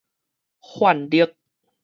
泛綠